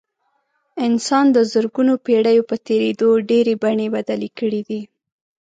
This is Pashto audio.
انسان د زرګونو پېړیو په تېرېدو ډېرې بڼې بدلې کړې دي.